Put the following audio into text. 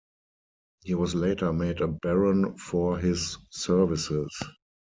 He was later made a baron for his services.